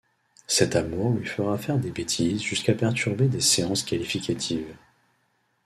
Cet amour lui fera faire des bêtises jusqu'à perturber des séances qualificatives.